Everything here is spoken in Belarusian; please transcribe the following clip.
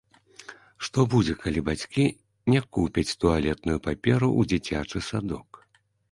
Што будзе, калі бацькі не купяць туалетную паперу ў дзіцячы садок?